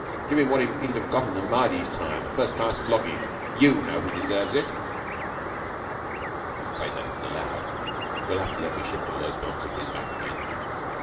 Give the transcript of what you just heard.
Give him what he'd have got in the Mahdi's time a first class flogging. You know he deserves it!' 'I'm afraid that isn't allowed. You have to let me shift all those bullocks of his back again.'